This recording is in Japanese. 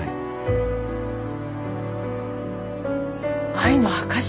愛の証し？